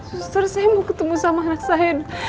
suster saya mau ketemu sama anak saya